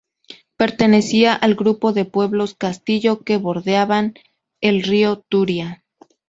Pertenecía al grupo de pueblos-castillo que bordeaban el río Turia.